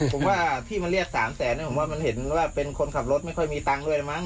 ผมว่าพี่มาเรียก๓แสนผมว่ามันเห็นว่าเป็นคนขับรถไม่ค่อยมีตังค์ด้วยมั้